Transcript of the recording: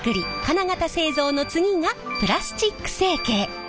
金型製造の次がプラスチック成形。